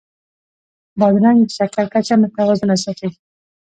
بادرنګ د شکر کچه متوازنه ساتي.